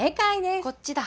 こっちだ。